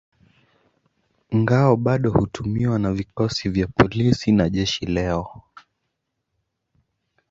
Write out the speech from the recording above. Ngao bado hutumiwa na vikosi vya polisi na jeshi leo.